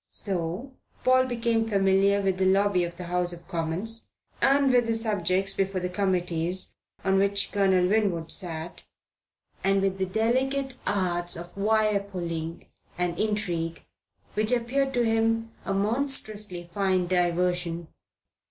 So Paul became familiar with the Lobby of the House of Commons and with the subjects before the Committees on which Colonel Winwood sat, and with the delicate arts of wire pulling and intrigue, which appeared to him a monstrously fine diversion.